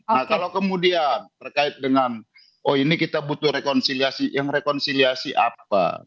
nah kalau kemudian terkait dengan oh ini kita butuh rekonsiliasi yang rekonsiliasi apa